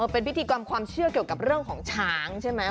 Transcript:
เป็นพิธีกรรมความเชื่อเกี่ยวกับเรื่องของช้างใช่ไหม